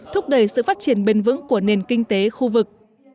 thúc đẩy sự phát triển bền vững của nền kinh tế khu vực